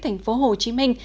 thành phố hồ chí minh